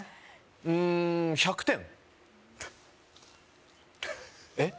うん１００点えっ？